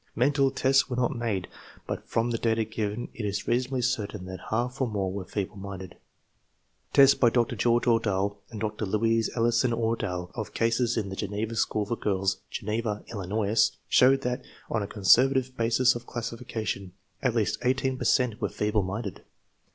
Mental tests were not made, but from the data given it is reasonably certain Uiat half or more were feeble minded. Tests, by Dr. George Ordahl and Dr. Louise Ellison Ordahl, of cases in the Geneva School for Girls, Geneva, Illinois, showed tltat, on a conservative basis of classification, at least 18 |>cr cent were feeble minded.